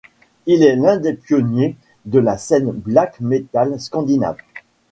Il est l'un des pionniers de la scène black metal scandinave.